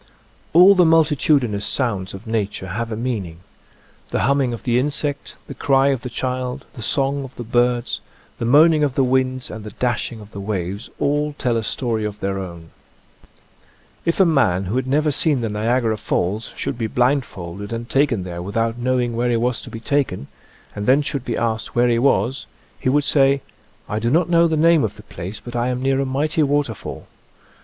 All the multitudinous sounds of nature have a meaning. The humming of the insect, the cry of the child, the song of the birds, the {^\, Original from :l< ~ UNIVERSITY OF WISCONSIN 108 nature's /ISlraclee. moaning of the winds, and the dashing of the waves, all tell a story of their own. If a man who had never seen the Niagara Falls should be blindfolded and taken there without know ing where he was to be taken, and then should be asked where he was, he would say :" I do not know the name of the place, but I am near a mighty waterfall."